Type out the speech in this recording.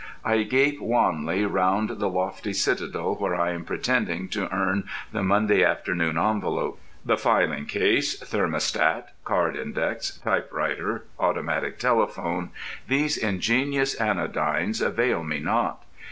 I gape wanly round the lofty citadel where I am pretending to earn the Monday afternoon envelope. The filing case, thermostat, card index, typewriter, automatic telephone: these ingenious anodynes avail me not.